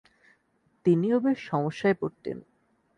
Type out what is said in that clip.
তিনি ও বেশ সমস্যায় পড়তেন।